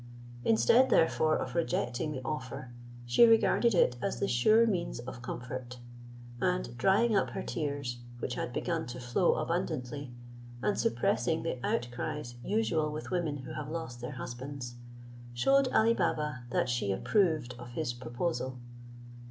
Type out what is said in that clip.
Instead, therefore, of rejecting the offer, she regarded it as the sure means of comfort; and drying up her tears, which had begun to flow abundantly, and suppressing the outcries usual with women who have lost their husbands, shewed Ali Baba that she approved of his proposal.